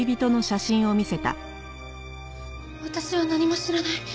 私は何も知らない。